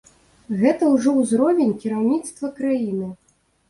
Гэта ўжо ўзровень кіраўніцтва краіны.